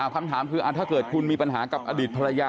คำถามคือถ้าเกิดคุณมีปัญหากับอดีตภรรยา